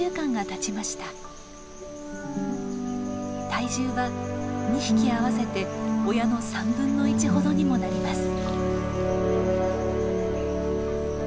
体重は２匹合わせて親のほどにもなります。